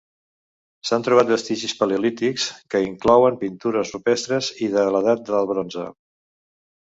S'han trobat vestigis paleolítics, que inclouen pintures rupestres, i de l'Edat del Bronze.